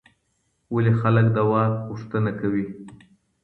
ولي خلګ د واک غوښتنه کوي؟